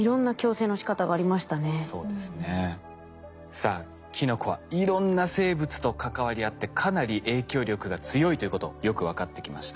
さあキノコはいろんな生物と関わり合ってかなり影響力が強いということよく分かってきました。